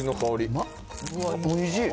おいしい。